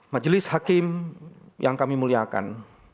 majelis hakim yang kami muliakan